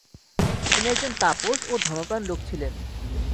তিনি একজন তাপস ও ধর্মপ্রাণ লোক ছিলেন।